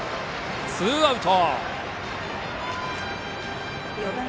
ツーアウト。